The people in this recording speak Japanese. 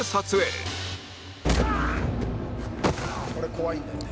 なんと「これ怖いんだよね」